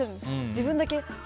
自分だけ。